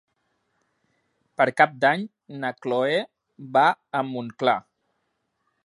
Per Cap d'Any na Chloé va a Montclar.